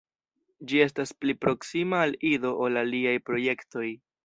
Ĝi estas pli proksima al Ido ol aliaj projektoj.